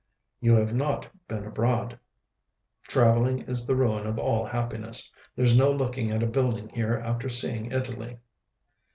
"You have not been abroad. Traveling is the ruin of all happiness! There's no looking at a building here after seeing Italy."